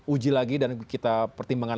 uji lagi dan kita pertimbangkan